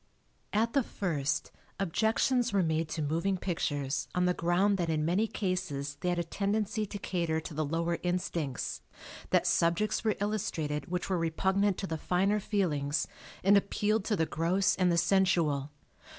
At the first, objections were made to moving pictures on the ground that in many cases they had a tendency to cater to the lower instincts, that subjects were illustrated which were repugnant to the finer feelings and appealed to the gross and the sensual.